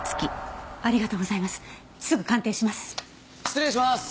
失礼します。